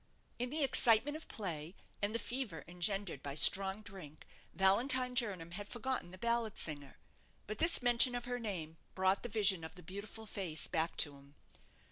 In the excitement of play, and the fever engendered by strong drink, Valentine Jernam had forgotten the ballad singer. But this mention of her name brought the vision of the beautiful face back to him.